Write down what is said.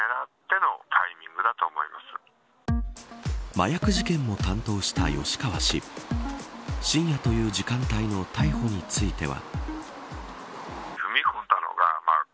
麻薬事件も担当した吉川氏深夜という時間帯の逮捕については。